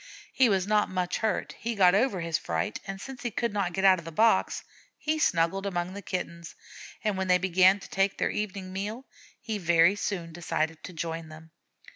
He was not much hurt. He got over his fright, and since he could not get out of the box, he snuggled among the Kittens, and when they began to take their evening meal he very soon decided to join them.